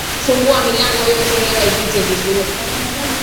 Fungua milango yote hewa ipite vizuri.